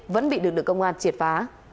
vẫn bị đường lực công an triệt phá